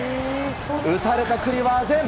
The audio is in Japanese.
打たれた九里はあぜん。